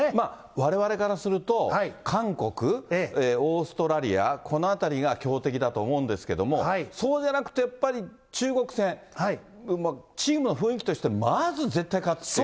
われわれからすると、韓国、オーストラリア、このあたりが強敵だと思うんですけども、そうでなくてやっぱり中国戦、チームの雰囲気として絶対勝つという。